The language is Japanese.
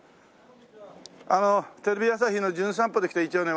あのテレビ朝日の『じゅん散歩』で来た一応ね